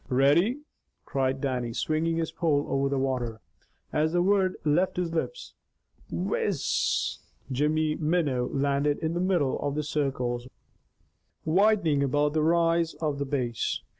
"Ready!" cried Dannie, swinging his pole over the water. As the word left his lips, "whizz," Jimmy's minnow landed in the middle of the circles widening about the rise of the Bass.